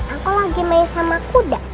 aku lagi main sama kuda